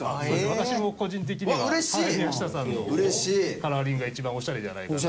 私も個人的には宮下さんのカラーリングが一番オシャレじゃないかなと。